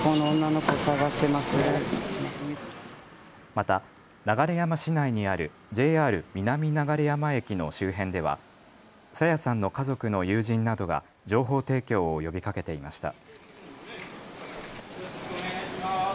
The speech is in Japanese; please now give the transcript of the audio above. また流山市内にあるＪＲ南流山駅の周辺では朝芽さんの家族の友人などが情報提供を呼びかけていました。